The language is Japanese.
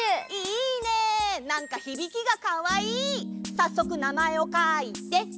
さっそくなまえをかいて！